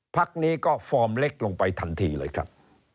พักนี้ก็ฟอร์มเล็กลงไปทันทีเลยครับ